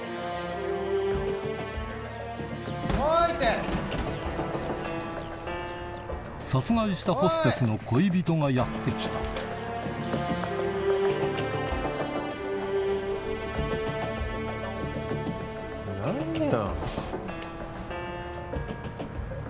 て・殺害したホステスの恋人がやって来た何や！